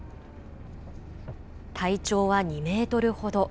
体長は２メートルほど。